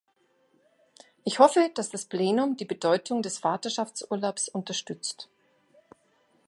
Ich hoffe, dass das Plenum die Bedeutung des Vaterschaftsurlaubs unterstützt.